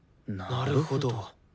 なるほど。